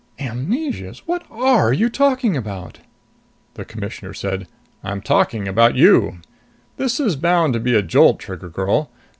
"Amnesias! What are you talking about?" The Commissioner said. "I'm talking about you. This is bound to be a jolt, Trigger girl.